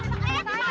aduh di mana